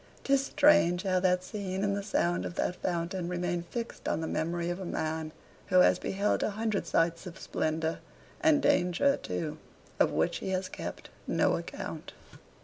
'Tis strange how that scene, and the sound of that fountain, remain fixed on the memory of a man who has beheld a hundred sights of splendor, and danger too, of which he has kept no account.